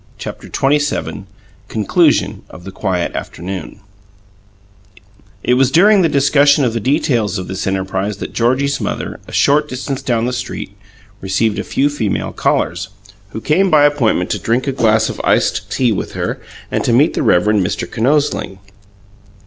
CHAPTER XXVII CONCLUSION OF THE QUIET AFTERNOON It was during the discussion of the details of this enterprise that Georgie's mother, a short distance down the street, received a few female callers, who came by appointment to drink a glass of iced tea with her, and to meet the Rev. Mr. Kinosling.